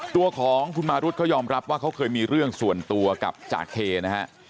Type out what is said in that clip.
ตัวของคุณมารุธเขายอมรับว่าเขาเคยมีเรื่องส่วนตัวกับจาเคนะฮะ